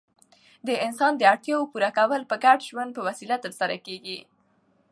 د انسان داړتیاوو پوره کول په ګډ ژوند په وسیله ترسره کيږي.